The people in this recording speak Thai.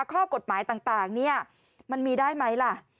ข้อกฎหมายต่างเนี่ยมันมีได้ไหมล่ะ